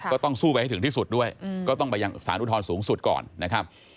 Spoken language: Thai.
ก็ต้องสู้ไปให้ถึงที่สุดด้วยก็ต้องไปยังสารอุทธรณ์สูงสุดก่อนนะครับ